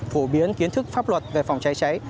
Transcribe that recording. phổ biến kiến thức pháp luật về phòng cháy cháy